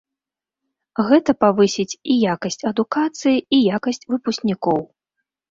Гэта павысіць і якасць адукацыі, і якасць выпускнікоў.